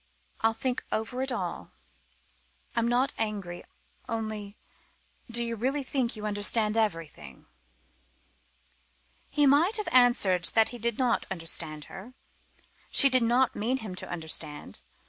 I'll think over it all. I'm not angry only do you really think you understand everything?" He might have answered that he did not understand her. She did not mean him to understand.